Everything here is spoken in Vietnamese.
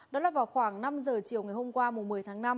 đó là vào khoảng năm giờ chiều ngày hôm qua một mươi tháng năm